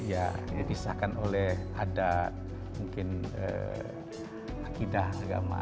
ya disahkan oleh ada mungkin akidah agama